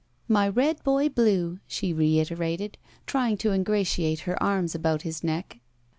My Red boy blue," she reiterated, trjring to ingratiate her arms about his ' neck.